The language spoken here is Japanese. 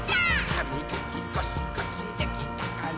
「はみがきゴシゴシできたかな？」